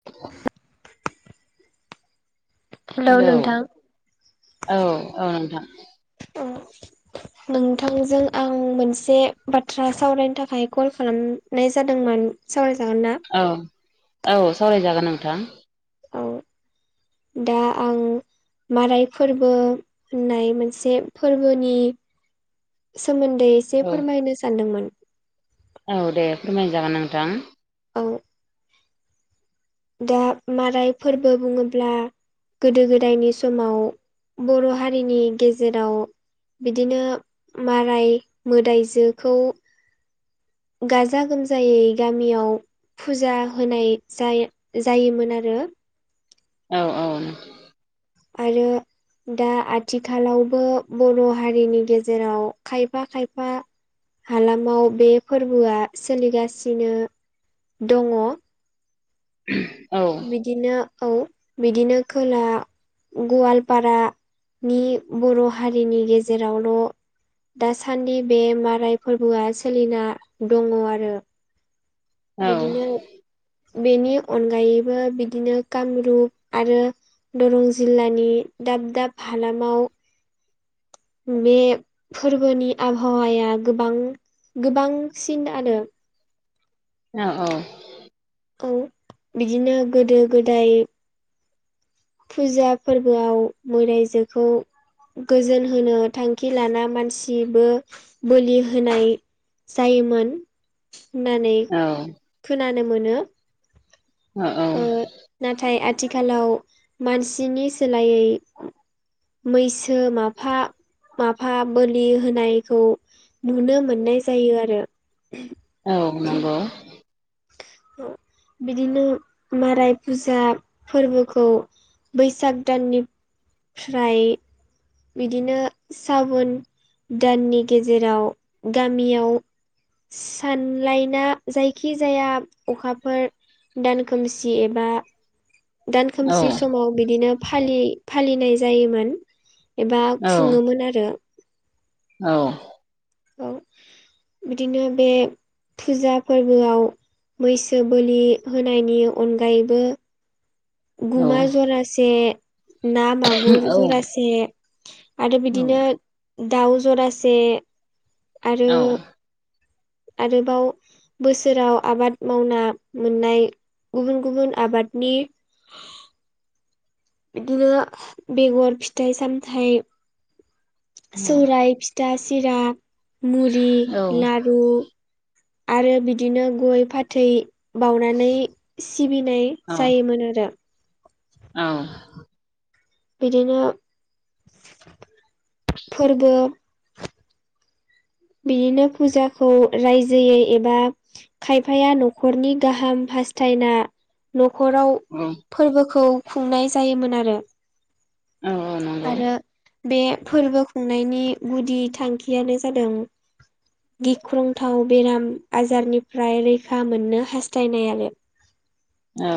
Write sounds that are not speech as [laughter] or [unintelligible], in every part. [inaudible] Hello औ औ औ नोंथां [unintelligible] नोंथांजों आं मोनसे बाथ्रा सावरायनो थाखाय कल खालाम नाय जादोंमोन सावरायजागोन ना औ औ सावरायजागोन नोंथां दा आं माराय फोरबो होननाय मोनसे फोरबोनि सोमोन्दै एसे औ फोरमायनो सानदोंमोन औ दे फोरमायनाय जागोन नोंथां औ दा माराय फोरबो बुङोब्ला गोदो गोदायनि समाव बर' हारिनि गेजेराव बिदिनो माराय मोदाइजोखौ गाजा गोमजायै गामियाव फुजा होनाय जायो जायोमोन आरो औ औ आरो दा आथिखालावबो बर' हारिनि गेजेराव खायफा खायफा हालामाव बे फोरबोआ सोलिगासिनो दङ औ बिदिनो औ बिदिनो खोला गवालपारानि बर' हारिनि गेजेरावल' दासान्दि बे माराय फोरबोआ सोलिना दङ आरो औ बिदिनो बेनि अनगायैबो बिदिनो कामरुप आरो दरं जिल्लानि दाब दाब हालामाव बे फोरबोनि आबहावाया गोबां गोबांसिन आरो औ औ औ बिदिनो गोदो गोदाय फुजा फोरबोआव मोदाइजोखौ गोजोन होनो थांखि लाना मानसिबो बोलि होनाय जायोमोन होननानै औ खोनानो मोनो अ औ ओ नाथाय आथिखालाव मानसिनि सोलायै मैसो माफा माफा बोलि होनायखौ नुनो मोननाय जायो आरो औ नंगौ बिदिनो माराय फुजा फोरबोखौ बैसाग दाननिफ्राय बिदिनो सावोन दाननि गेजेराव गामियाव सानलाइना जायखि जाया अखाफोर दानखोमसि एबा दान औ खोमसि समाव बिदिनो फालि फालिनाय जायोमोन एबा औ खुङोमोन आरो औ बिदिनो बे फुजा फोरबोआव मैसो बोलि होनायनि अनगायैबो औ गुमा जरसे ना मागुर जरसे आरो नंगौ बिदिनो दाउ जरासे आरो आरोबाव बोसोराव आबाद मावना मोननाय गुबुन गुबुन आबादनि बिदिनो बेगर फिथाइ सामथाइ औ सौराय फिथा सिरा मुरि लारु आरो बिदिनो गय फाथै बावनानै सिबिनाय जायोमोन आरो औ औ बिदिनो फोरबो बिदिनो फुजाखौ रायजोयै एबा खायफाया न'खरनि गाहाम हास्थायना न'खराव औ फोरबोखौ खुंनाय जायोमोन आरो आरो बे फोरबो खुंनायनि गुदि थांखियानो जादों गिख्रंथाव बेराम आजारनिफ्राय रैखा मोननो हास्थायनाय आरो औ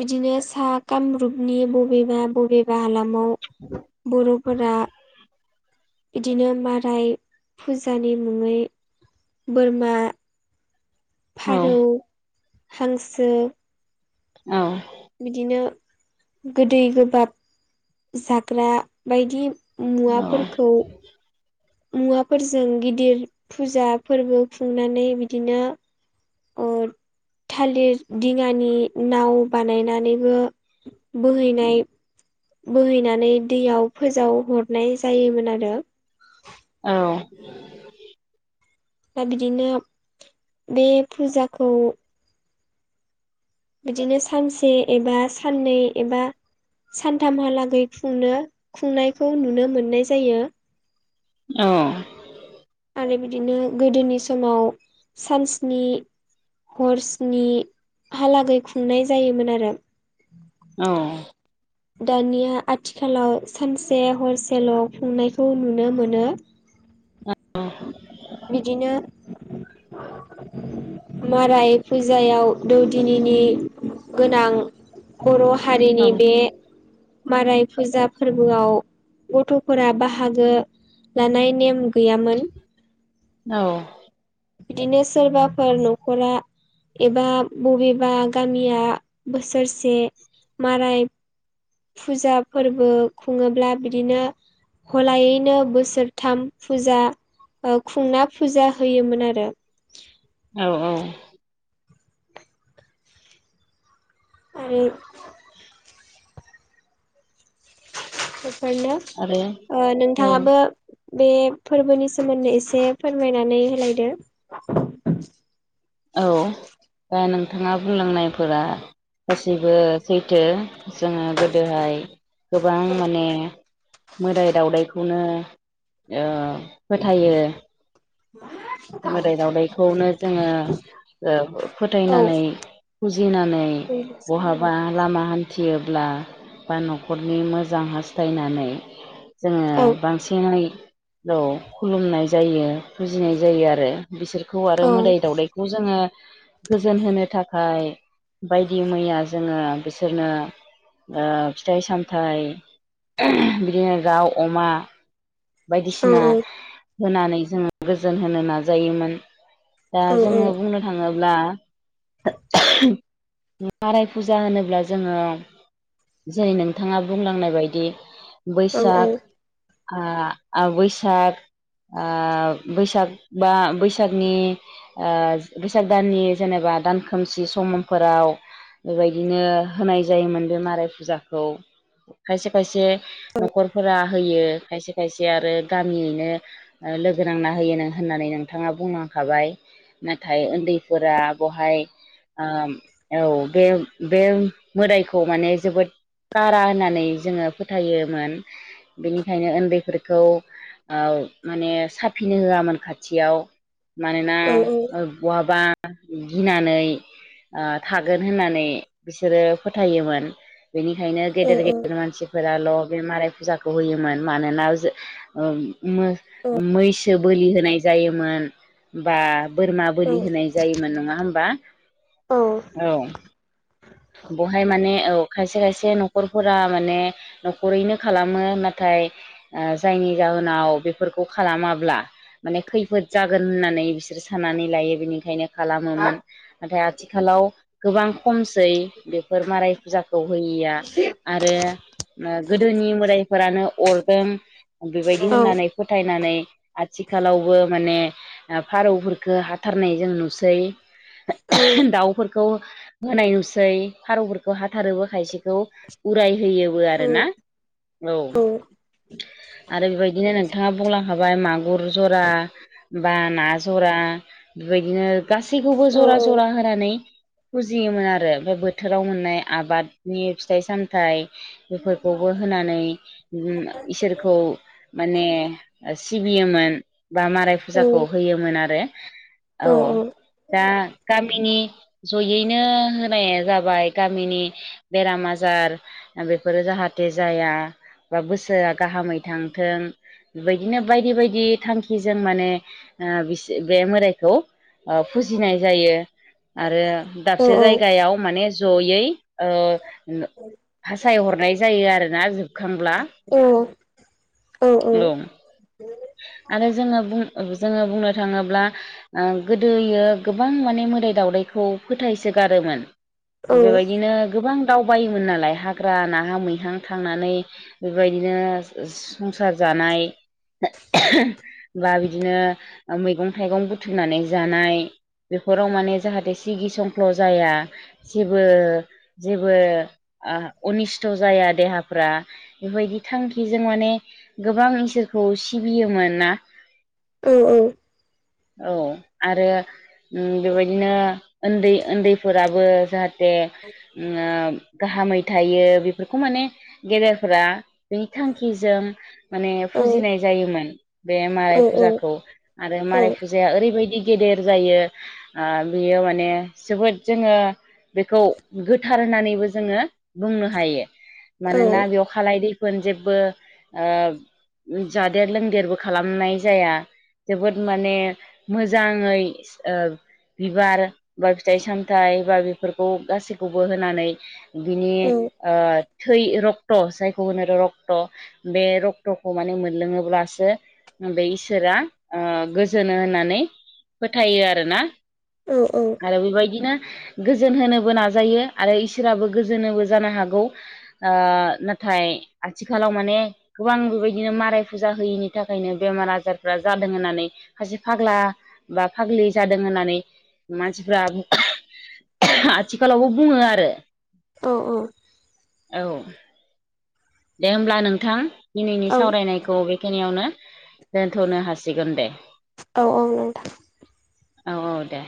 बिदिनो सा कामरुपनि बबेबा बबेबा हालामाव [inaudible] बर'फोरा बिदिनो माराय फुजानि मुङै बोरमा, फारौ, हांसो औ। बिदिनो गोदै गोबाब। जाग्रा बायदि मुवाफोरखौ मुवाफोरजों गिदिर फुजा फोरबो खुंनानै बिदिनो थालिर दिङानि नाव बानायनानैबो बोहैनाय बोहैनानै दैयाव फोजाव हरनाय जायोमोन आरो। औ। दा बिदिनो बे फुजाखौ बिदिनो सानसे एबा साननै एबा सानथामहालागै खुंनो खुंनायखौ नुनो मोननाय जायो। औ। आरो बिदिनो गोदोनि समाव सानस्नि हरस्नि हालागै खुंनाय जायोमोन आरो। औ। दानिया आथिखालाव सानसे हरसेल' खुंनायखौ नुनो मोनो। औ। बिदिनो माराय फुजायाव दौदिनिनि गोनां। बर' औ हारिनि बे माराय फुजा फोरबोआव गथ'फोरा बाहागो लानाय नेम गैयामोन। औ। बिदिनो सोरबाफोर न'खरा एबा बबेबा गामिया बोसोरसे माराय। फुजा फोरबो खुङोब्ला बिदिनो गलायैनो बोसोरथाम फुजा खुंना फुजा होयोमोन आरो। औ औ। [inaudible] बेफोरनो आरो औ नोंथाङाबो बे फोरबोनि सोमोन्दै एसे फोरमायनानै होलायदो। औ। द नोंथाङा बुंलांनायफोरा गाैबो सैथो। जोङो गोदोहाय गोबां माने मोदाय दावदायखौनो फोथायो। [unintelligible] मोदाय दावदैखौनो जोङो औ फोथायनानै फुजिनानै औ बहाबा लामा हान्थि फुथियोब्ला बा न'खरनि मोजां हास्थायनानै। जोङो बांसिनै खुलुमनाय जायो फुजिनाय जायो आरो। बिसोरखौ आरो औ मोदाय दावदायखौ जोङो गोजोन होनो थाखाय। बायदि मैया जोङो बिसोरनो फिथाइ सामथाइ बिदिनो दाउ अमा औ बायदिसिना होनानै जोङो गोजोन होनो नाजायोमोन। दा औ जोङो बुंनो थाङोब्ला। माराय फुजा होनोब्ला जोङो। जेरै नोंथाङा बुंलांनाय बायदि औ बैसाग आ बैसाग आ बैसाग बा बैसागनि बैसाग दाननि जेनेबा दान खोमसि समफोराव बेबायदिनो होनाय जायोमोन बे माराय फुजाखौ खायसे खायसे न'खरफोरा होयो खायसे खायसे आरो गामियैनो लोगो नांना होयो होननानै नोंथाङा बुंलांखाबाय नाथाय उन्दैफोरा बेहाय औ बे बे मोदायखौ माने जोबोद गारा होननानै जोङो फोथायोमोन बेनिखायनो उन्दैफोरखौ माने साफ फिनो होआमोन खाथियाव मानोना औ-औ ओ बहाबा गिनानै थागोन होननानै बिसोरो फोथायोमोन बेनिखायनो औ गेदेर गेदेर मानसिफोराल' बे माराय फुजाखौ होयोमोन मानोना मैसो बोलि होनाय जायोमोन बा बोरमा औ बोलि होनाय जायोमोन नङा होमबा औ औ बेहाय माने औ खायसे खायसे न'खरफोरा माने न'खरैनो खालामो नाथाय जायनि जाहोनाव बेफोरखौ खालामाब्ला माने खैफोद जागोन होननानै बिसोरो साननानै लायो बेनिखायनो खालामोमोन नाथाय आथिखालाव गोबां खमसै बेफोर माराय फुजाखौ होयिया आरो गोदोनि मोदायफोरानो अरदों औ बेबायदि औ होननानै फोथायनानै आथिखालावबो माने फारौफोरखो हाथारनाय जों नुसै औ दाउफोरखौ होनाय नुसै फारौफोरखौ हाथारोबो खायसेखौ उराय होयो आरोना औ आरो बेबायदिनो नोंथाङा बुंलाखाबाय मागु गुर जरा बा ना जरा बेबायदिनो गासैखौबो जरा जरा होनानै फुजियोमोन आरो ओमफ्राय बोथोराव मोननाय आबादनि फिथाइ सामथाइ बेफोरखौबो होनानै इसोरखौ माने सि योमोन बा माराय फुजाखौ होयोमोन आरो औ दा गामिनि जयैनो होनाया जाबाय गामिनि बेराम आजार बेफोरो जाहाथे जाया बा बोसोरा गाहामै थांथों बेबायदिनो बायदि बायदि थांखिजों माने बिस बे मोदायखौ फुजिनाय जायो आरो दाबसे जायगायाव माने जयै ओ भासाय हरनाय जायो आरोना होमब्ला ओं आरो जोङो जोङो बुंनो थाङोब्ला ओ गोदोयो गोबां माने मोदाय दावदैखौ फोथायसोगारोमोन बेबायदिनो गोबां दावबायोमोन नालाय हाग्रा नाहा मैहा थांनानै बेबायदिनो संसार जानाय बा बिदिनो मैगं थाइगं बुथुमनानै जानाय बेफोराव माने जाहाथे सिगि संख्ल' जाया जेबो जेबो अनिस्थ' जाया देहाफ्रा बेबायदि थांखिजों माने गोबां इसोरखौ सिबियोमोनना औ-औ औ आरो बेबायदिनो उन्दै उन्दैफोराबो जाहाथे ओ गाहामै थायो बेफोरखौ माने गेदेरफ्रा बिनि थांखिजों माने फुजिनाय जायोमोन बे माराय फुजाखौ आरो माराय फुजा जे ओरैबायदि गेदेर जायो ओ बियो माने जोबोद जोङो बेखौ गोथार होननानैबो जोङो बुंनो हायो। मानोना बेयाव खालाय दैफोन जेबो ओ जादेर लोंदेरबो खालामनाय जाया जोबोद माने मोजाङै ओ बिबार बा फिथाइ सामथाइ बा बेफोरखौ गासैखौबो होनानै बिनि ओ थै रक्त' जायखौ होनो रक्त' बे रक्त'खौ माने लोङोब्लासो बै इसोरा ओ गोजोनो होननानै फोथायो आरोना औ औ आरो बेबायदिनो गोजोन होनोबो नाजायो आरो इसोराबो गोजोनोबो जानो हागौ ओ नाथाय आथिखालाव माने गोबां बेबायदिनो माराय फुजा होयिनि थाखायनो बेमार आजारफ्रा जादों होननानै सासे फाग्ला बा फाग्लि जादों होननानै मानसिफ्रा आथिखालावबो बुङो आरो औ दे होमब्ला नोंथां दिनैनि सावरायनायखौ बेखिनियावनो दोनथ'नो हासिगोन दे औ औ नोंथां औ औ दे